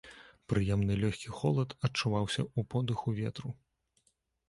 Прыемны лёгкі холад адчуваўся ў подыху ветру.